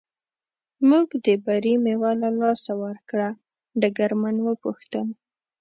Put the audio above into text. موږ د بري مېوه له لاسه ورکړه، ډګرمن و پوښتل.